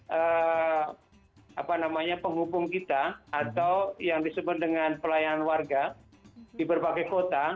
berapa apa namanya penghubung kita atau yang disebut dengan pelayanan warga di berbagai kota